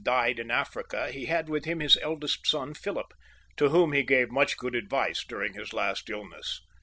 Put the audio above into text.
died in Africa, he had with him his eldest son Philip, to whom he gave much good advice during his last illness.